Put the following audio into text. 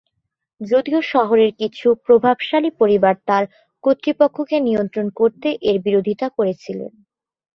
যদিও শহরের কিছু প্রভাবশালী পরিবার তার কর্তৃপক্ষকে নিয়ন্ত্রণ করতে এর বিরোধিতা করেছিল।